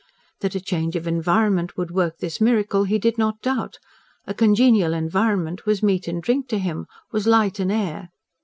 That a change of environment would work this miracle he did not doubt; a congenial environment was meat and drink to him, was light and air.